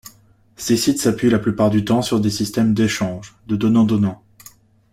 Ces sites s'appuient la plupart du temps sur des systèmes d'échanges, de donnant-donnant.